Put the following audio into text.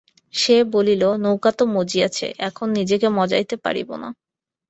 সে বলিল, নৌকা তো মজিয়াছে, এক্ষণে নিজেকে মজাইতে পারিব না।